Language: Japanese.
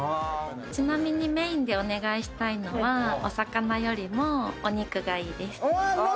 ちなみにメーンでお願いしたいのは、お魚よりもお肉がいいです。